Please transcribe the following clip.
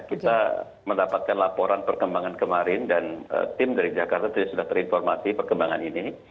kita mendapatkan laporan perkembangan kemarin dan tim dari jakarta sudah terinformasi perkembangan ini